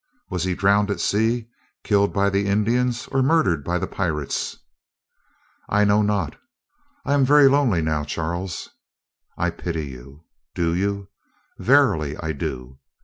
Was he drowned at sea, killed by the Indians, or murdered by the pirates?" "I know not. I am very lonely now, Charles." "I pity you." "Do you?" "Verily, I do."